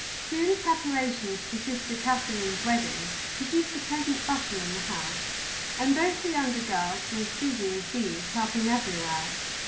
Soon, preparations for sister Catharine's wedding produced a pleasant bustle in the house, and both the younger girls were as busy as bees, helping everywhere.